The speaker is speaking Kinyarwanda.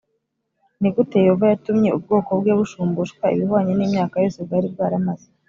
Ni gute Yehova yatumye ubwoko bwe bushumbushwa ibihwanye n imyaka yose bwari bwaramaze